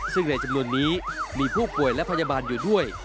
ซึ่งในจำนวนนี้มีผู้ป่วยและพยาบาลอยู่ด้วย